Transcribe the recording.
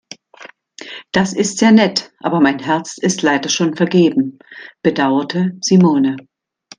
Das ist sehr nett, aber mein Herz ist leider schon vergeben, bedauerte Simone.